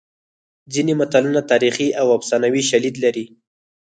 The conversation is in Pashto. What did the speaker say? ځینې متلونه تاریخي او افسانوي شالید لري